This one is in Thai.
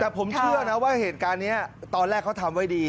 แต่ผมเชื่อนะว่าเหตุการณ์นี้ตอนแรกเขาทำไว้ดี